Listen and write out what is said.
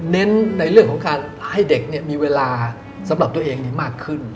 เน้นในเรื่องของการให้เด็กมีเวลาสำหรับตัวเองนี้มากขึ้น